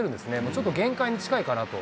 ちょっと限界に近いかと。